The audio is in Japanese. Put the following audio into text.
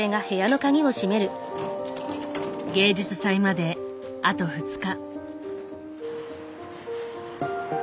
芸術祭まであと２日。